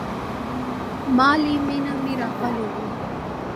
مالې مينه دې راغلې وه.